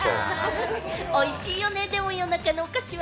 美味しいよね、夜中のお菓子は。